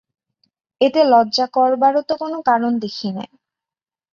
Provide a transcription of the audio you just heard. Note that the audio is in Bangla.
এতে লজ্জা করবারও তো কোনো কারণ দেখি নে।